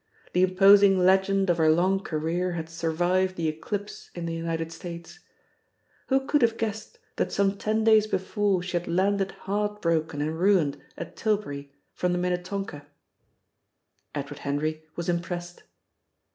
The imposing legend of her long career had survived the eclipse in the United States. Who could have guessed that some ten days before she had landed heart broken and ruined at Tilbury from the Minnetonka? Edward Henry was impressed.